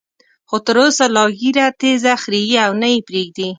خو تر اوسه لا ږیره تېزه خرېي او نه یې پریږدي.